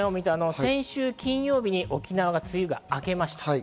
先週金曜日に沖縄の梅雨が明けました。